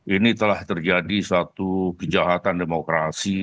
ini telah terjadi suatu kejahatan demokrasi